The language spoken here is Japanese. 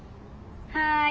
はい。